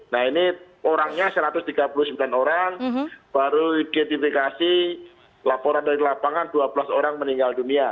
nah ini orangnya satu ratus tiga puluh sembilan orang baru identifikasi laporan dari lapangan dua belas orang meninggal dunia